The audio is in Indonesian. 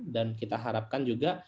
dan kita harapkan juga